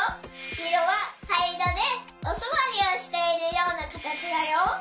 いろははいいろでおすわりをしているようなかたちだよ。